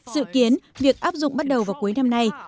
dự kiến việc áp dụng bắt đầu vào cuối năm nay